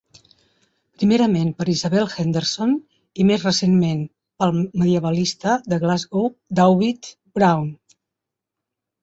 Primerament per Isabel Henderson, i més recentment pel medievalista de Glasgow, Dauvit Broun.